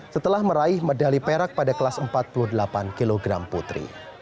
setelah meraih medali perak pada kelas empat puluh delapan kg putri